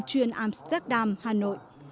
chuyên amsterdam hà nội